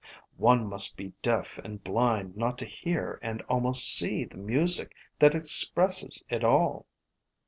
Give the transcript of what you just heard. One must be deaf and blind not to hear and al most see the music that expresses it all."